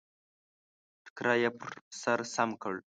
ټکری يې پر سر سم کړ.